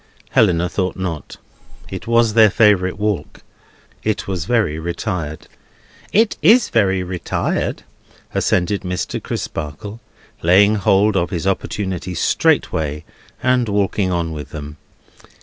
Helena thought not. It was their favourite walk. It was very retired. "It is very retired," assented Mr. Crisparkle, laying hold of his opportunity straightway, and walking on with them.